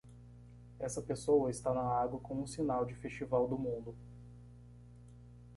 Essa pessoa está na água com um sinal de festival do mundo.